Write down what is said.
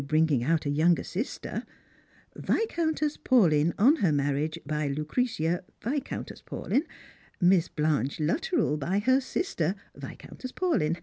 131 bringing out a younger sister. Viscountess Paulyn, on ter marriage, by Lucretia Viscountess Paulyn; Miss Blanche Lutt rell, by her sister, Viscountess Paulyn.